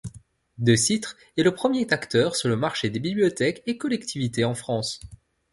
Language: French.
Decitre est le premier acteur sur le marché des bibliothèques et collectivités en France.